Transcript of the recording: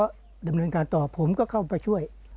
ก็ดำเนินการต่อผมก็เข้าไปช่วย